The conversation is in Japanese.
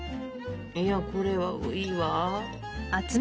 いやこれはいいわ。